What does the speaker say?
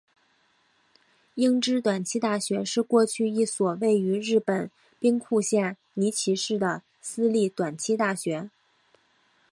英知短期大学是过去一所位于日本兵库县尼崎市的私立短期大学。